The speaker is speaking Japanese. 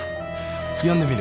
読んでみる